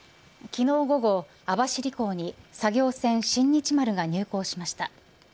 昨日午後網走港に作業船親日丸が入港しました。